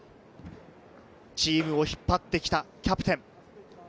チームを引っ張ってきたキャプテン。